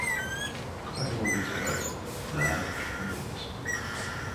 Kailu visi redz, neēdušu neviens.